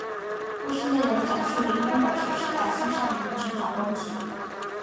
故事内容讲述民风保守时代青少年的成长问题。